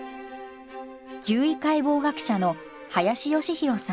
獣医解剖学者の林良博さん。